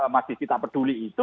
masih kita peduli itu